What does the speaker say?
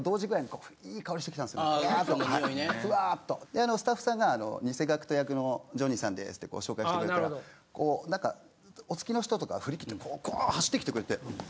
ふわっと。でスタッフさんが偽ＧＡＣＫＴ役のジョニーさんですってこう紹介してくれたら何かお付きの人とか振り切ってガーッ走ってきてくれて。